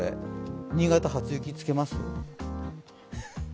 新潟に初雪つけます？